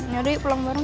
ya udah yuk pulang bareng